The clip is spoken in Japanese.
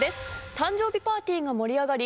誕生日パーティーが盛り上がり